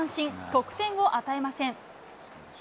得点を与えません。